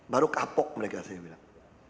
baru kapok mereka bilang